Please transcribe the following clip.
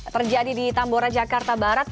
terjadi di tambora jakarta barat